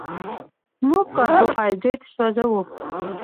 موږ کاربوهایډریټ سوځوو